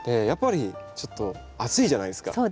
やっぱりちょっと暑いじゃないですか。